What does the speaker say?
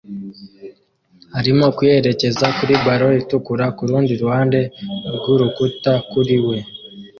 arimo kuyerekeza kuri ballon itukura kurundi ruhande rwurukuta kuri we